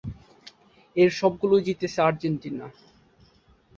এর সবগুলোই জিতেছে আর্জেন্টিনা।